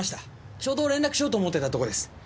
ちょうど連絡しようと思ってたとこです。